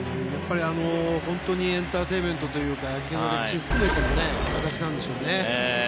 本当にエンターテインメントというか野球の歴史を含めての形なんでしょうね。